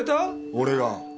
俺が？